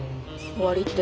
終わりって？